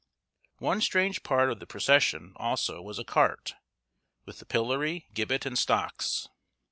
One strange part of the procession, also, was a cart, with the pillory, gibbet, and stocks.